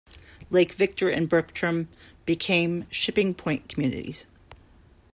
Lake Victor and Bertram became shipping point communities.